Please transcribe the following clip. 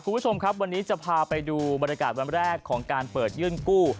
คุณผู้ชมครับวันนี้จะพาไปดูบรรยากาศวันแรกของการเปิดยื่นกู้